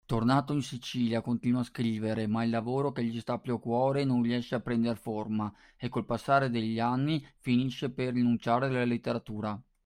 Tornato in Sicilia, continua a scrivere ma il lavoro che più gli sta a cuore non riesce a prender forma, e col passare degli anni finisce per rinunciare alla letteratura.